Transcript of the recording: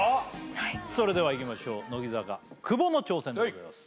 はいそれではいきましょう乃木坂久保の挑戦でございます